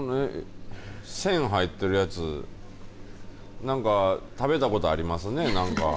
線、入っているやつなんか食べたことありますね。